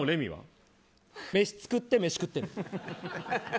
飯作って飯食ってる。